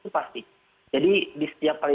itu pasti jadi di setiap kali